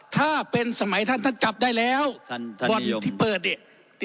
ถ้าเป็นสมัยท่านท่านจับได้แล้วท่านท่านนิยมบ่อนที่เปิดเนี้ย